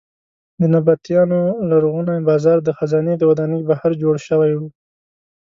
د نبطیانو لرغونی بازار د خزانې د ودانۍ بهر جوړ شوی و.